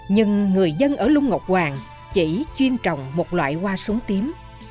nhưng người dân ở lung ngọc hoàng chỉ chuyên trồng một loại hoa súng tím